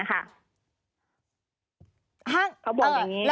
เขาบอกอย่างนี้